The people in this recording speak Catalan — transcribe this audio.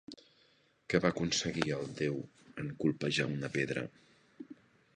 Què va aconseguir el déu en colpejar una pedra?